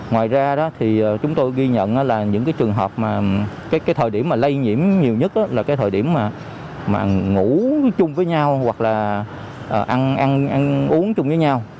ngoài ra thì chúng tôi ghi nhận là những trường hợp mà cái thời điểm lây nhiễm nhiều nhất là cái thời điểm mà ngủ chung với nhau hoặc là ăn uống chung với nhau